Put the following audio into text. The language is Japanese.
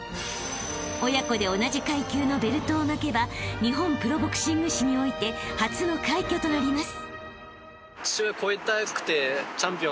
［親子で同じ階級のベルトを巻けば日本プロボクシング史において初の快挙となります］